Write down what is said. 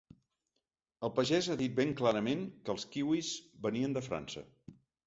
El pagès ha dit ben clarament que els kiwis venien de França.